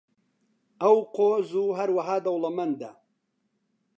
ئەو قۆز و هەروەها دەوڵەمەندە.